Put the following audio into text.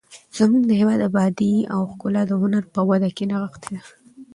زموږ د هېواد ابادي او ښکلا د هنر په وده کې نغښتې ده.